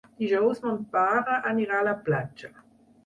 Dijous mon pare anirà a la platja.